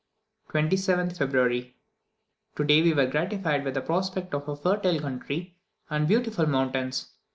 27th February. Today we were gratified with the prospect of a fertile country and beautiful mountains.